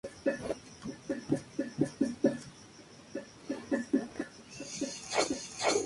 Cuenta con las actuaciones estelares de Eleonora Wexler y el primer actor Osvaldo Santoro.